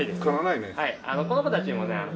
この子たちもね